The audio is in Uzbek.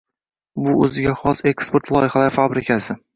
Bu o‘ziga xos «Eksport loyihalari fabrikasi»